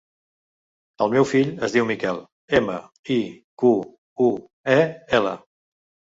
El meu fill es diu Miquel: ema, i, cu, u, e, ela.